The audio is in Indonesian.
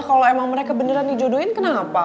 kalau emang mereka beneran di jodohin kenapa